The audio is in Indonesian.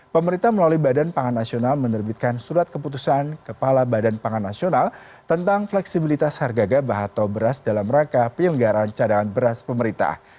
pemerintah melalui badan pangan nasional menerbitkan surat keputusan kepala badan pangan nasional tentang fleksibilitas harga gabah atau beras dalam rangka penyelenggaraan cadangan beras pemerintah